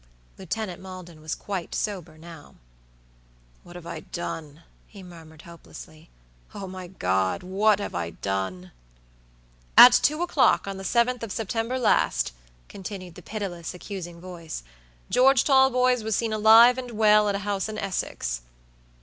Lieutenant Maldon was quite sober now. "What have I done?" he murmured, hopelessly. "Oh, my God! what have I done?" "At two o'clock on the 7th of September last," continued the pitiless, accusing voice, "George Talboys was seen alive and well at a house in Essex."